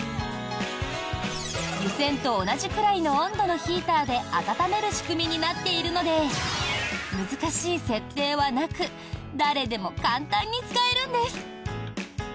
湯煎と同じくらいの温度のヒーターで温める仕組みになっているので難しい設定はなく誰でも簡単に使えるんです！